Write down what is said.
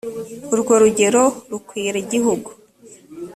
urwo rugero rukwira igihugu